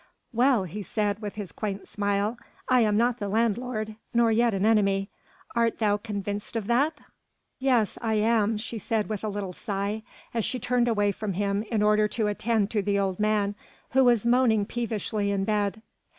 "Well!" he said with his quaint smile, "I am not the landlord, nor yet an enemy. Art thou convinced of that?" "Yes, I am!" she said with a little sigh, as she turned away from him in order to attend to the old man, who was moaning peevishly in bed.